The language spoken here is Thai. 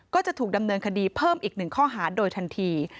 ก็จะถูกดำเนินคดีเพิ่มอีกหนึ่งข้อหาโดยทันที